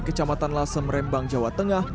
kecamatan lasem rembang jawa tengah